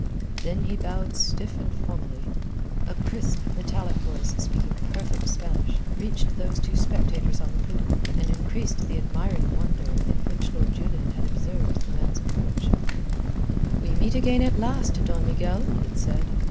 Then he bowed stiff and formally. A crisp, metallic voice, speaking perfect Spanish, reached those two spectators on the poop, and increased the admiring wonder in which Lord Julian had observed the man's approach. "We meet again at last, Don Miguel," it said.